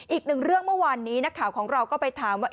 อีกหนึ่งเรื่องเมื่อวานนี้นักข่าวของเราก็ไปถามว่า